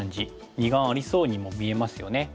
二眼ありそうにも見えますよね。